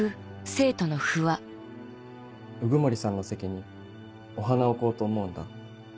鵜久森さんの席にお花を置こうと思うんだ。